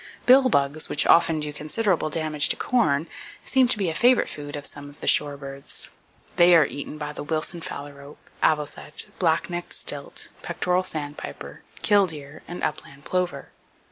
Bill bugs, which often do considerable damage to corn, seem to be favorite food of some of the shorebirds. They are eaten by the Wilson phalarope, avocet, black necked stilt, pectoral sandpiper, killdeer, and upland plover.